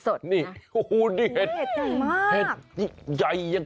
โอ้นี่เห็ดใหญ่มาก